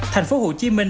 thành phố hồ chí minh